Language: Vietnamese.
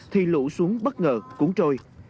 thì lũ xuống bất ngờ cũng trôi